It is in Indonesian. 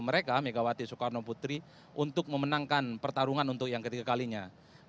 mereka megawati soekarno putri untuk memenangkan pertarungan untuk yang ketiga kalinya